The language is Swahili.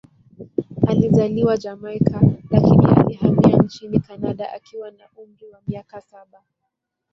Alizaliwa Jamaika, lakini alihamia nchini Kanada akiwa na umri wa miaka saba.